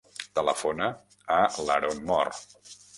Telefona a l'Aaron Mor.